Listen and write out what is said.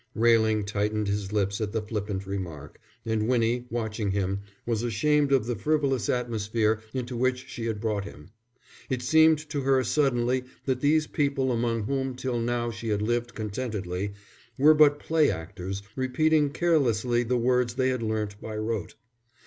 Railing tightened his lips at the flippant remark, and Winnie, watching him, was ashamed of the frivolous atmosphere into which she had brought him. It seemed to her suddenly that these people among whom till now she had lived contentedly, were but play actors repeating carelessly the words they had learnt by rote.